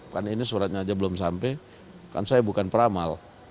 kan ini suratnya aja belum sampai kan saya bukan peramal